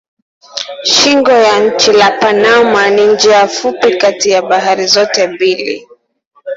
Shingo ya nchi la Panama ni njia fupi kati ya bahari zote mbili.